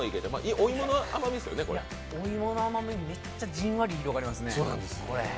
お芋の甘み、めっちゃじんわり広がりますね。